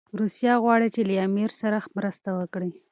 روسیه غواړي چي له امیر سره مرسته وکړي.